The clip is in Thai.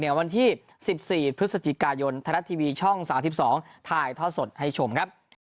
วันที่๑๔พฤศจิกายนไทยรัฐทีวีช่อง๓๒ถ่ายทอดสดให้ชมครับ